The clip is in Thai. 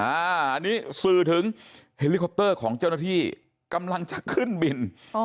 อันนี้สื่อถึงเฮลิคอปเตอร์ของเจ้าหน้าที่กำลังจะขึ้นบิน